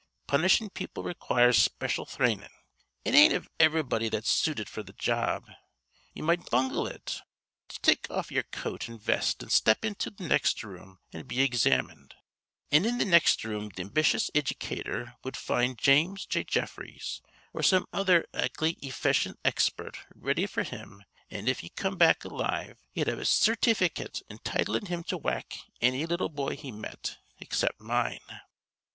Punishing people requires special thrainin'. It ain't iv'rybody that's suited f'r th' job. Ye might bungle it. Just take off ye'er coat an' vest an' step into th' next room an' be examined.' An' in th' next room th' ambitious iddycator wud find James J. Jeffreys or some other akely efficient expert ready f'r him an' if he come back alive he'd have a certy ficate entitlin' him to whack anny little boy he met except mine.